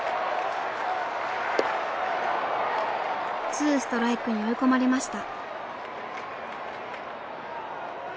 ツーストライクに追い込まれました。